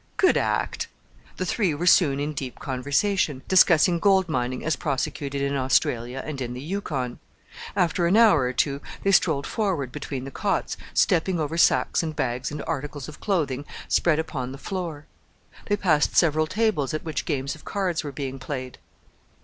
"Good act!" The three were soon in deep conversation, discussing gold mining as prosecuted in Australia and in the Yukon. After an hour or two they strolled forward between the cots, stepping over sacks and bags and articles of clothing spread upon the floor. They passed several tables at which games of cards were being played.